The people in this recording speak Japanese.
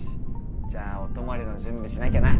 じゃあお泊まりの準備しなきゃな。